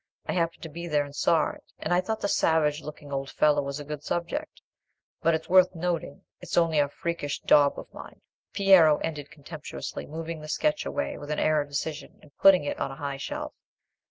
I happened to be there, and saw it, and I thought the savage looking old fellow was a good subject. But it's worth nothing—it's only a freakish daub of mine." Piero ended contemptuously, moving the sketch away with an air of decision, and putting it on a high shelf.